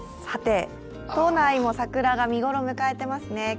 さて、都内も桜が見頃を迎えていますね。